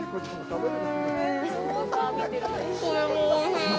これもおいしい。